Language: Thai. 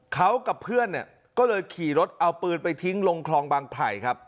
เขากับเพื่อนเนี่ยก็เลยขี่รถเอาปืนไปทิ้งลงคลองบางไผ่ครับ